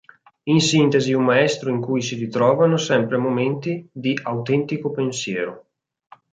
In sintesi un maestro in cui si ritrovano sempre momenti di autentico pensiero".